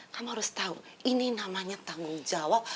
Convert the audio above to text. kamu harus tahu ini namanya tanggung jawab